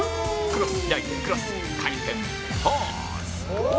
クロス開いてクロス回転ポーズ